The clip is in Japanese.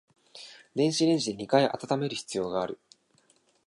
電子レンジで二回温める必要がある